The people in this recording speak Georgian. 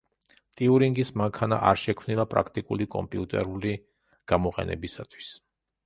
ტიურინგის მანქანა არ შექმნილა პრაქტიკული კომპიუტერული გამოყენებისთვის.